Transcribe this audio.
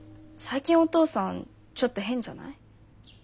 最近お父さんちょっと変じゃない？